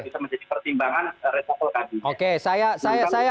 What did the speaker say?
bisa menjadi pertimbangan resapel kabinet